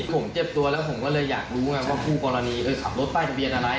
ผมเจ็บตัวแล้วผมก็เลยอยากรู้ว่าคู่กรณีขับรถป้ายทะเบียนอะไร